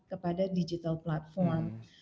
kepada digital platform